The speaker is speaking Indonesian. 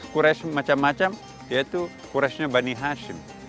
quraish macam macam yaitu quraishnya bani hashim